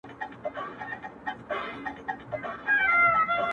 مستجابه زما په حق کي به د کوم مین دوعا وي,